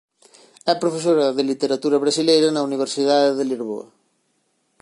É profesora de Literatura brasileira na Universidade de Lisboa.